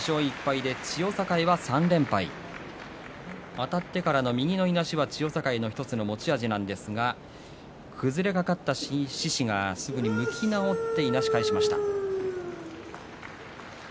あたってからの右のいなしは千代栄の１つの持ち味なんですが崩れかかった獅司がすぐ向き直って、いなし返しました。